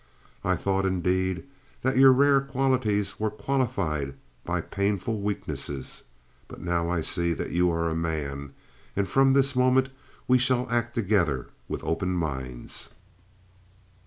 I thought, indeed, that your rare qualities were qualified by painful weaknesses. But now I see that you are a man, and from this moment we shall act together with open minds.